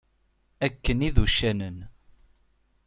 Akken i d uccanen.